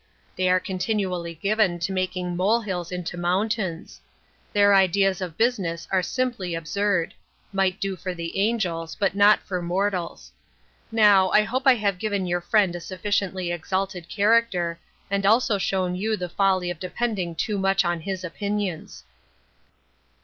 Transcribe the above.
They are continually given to making mole hills into mount ains. Their ideas of business are simply absurd ; might do for the angels, but not for mortals. Now, I hope I have given your friend a sufficiently exalted character, and also shown you the folly of depend ing too much on his opinions."